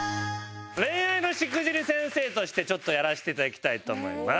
恋愛のしくじり先生としてちょっとやらせていただきたいと思います。